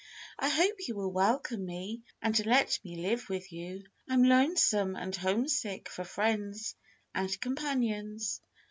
I hope you will welcome me, and let me live with you. I'm lonesome and homesick for friends and companions."